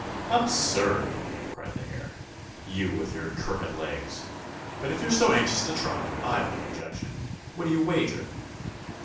"Absurd!" cried the Hare. "You with your crooked legs! But if you're so anxious to try, I've no objection. What do you wager?"